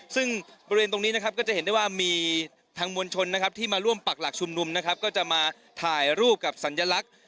ซึ่งบริเวณตรงนี้นะครับก็จะเห็นได้ว่ามีทางมวลชนนะครับที่มาร่วมปักหลักชุมนุมนะครับก็จะมาถ่ายรูปกับสัญลักษณ์